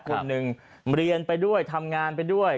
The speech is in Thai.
คนหนึ่งเรียนไปด้วยทำงานไปด้วย